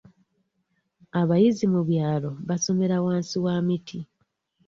Abayizi mu byalo basomera wansi wa miti.